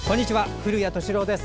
古谷敏郎です。